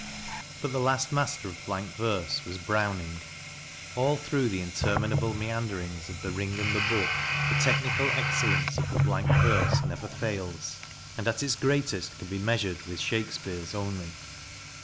But the last master of blank verse was Browning. All through the interminable meanderings of " The Ring and the Book," the technical excellence of the blank verse never fails, and at its greatest can be measured with Shakespeare's only.